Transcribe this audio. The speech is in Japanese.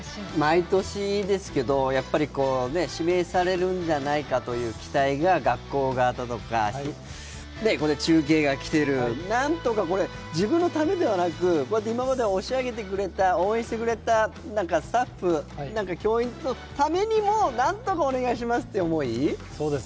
毎年ですけど、やっぱり指名されるんじゃないかという期待が学校側とか、中継が来ているなんとか自分のためではなくこうやって今まで押し上げてくれた周り、スタッフ、教員のためにも何とかお願いしますという思い。